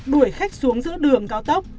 đuổi khách xuống giữa đường cao tốc